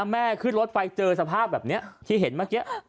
แม่ขึ้นรถไปเจอสภาพแบบนี้ที่เห็นเมื่อกี้